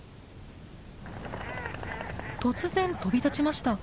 突然飛び立ちました。